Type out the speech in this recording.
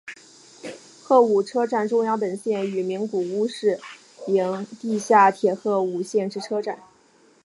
鹤舞车站中央本线与名古屋市营地下铁鹤舞线之车站。